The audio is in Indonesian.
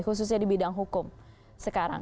khususnya di bidang hukum sekarang